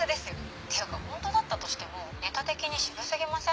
っていうか本当だったとしてもネタ的に渋過ぎません？